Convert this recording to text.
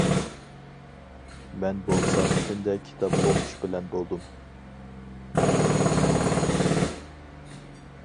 مەن بولسام كۈندە كىتاب ئوقۇش بىلەن بولدۇم.